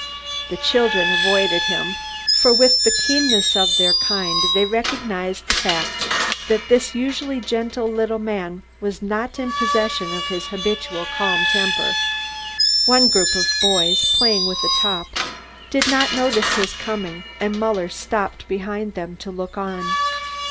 The children avoided him, for with the keenness of their kind they recognised the fact that this usually gentle little man was not in possession of his habitual calm temper. One group of boys, playing with a top, did not notice his coming and Muller stopped behind them to look on.